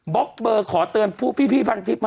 ล็อกเบอร์ขอเตือนพวกพี่พันทิพย์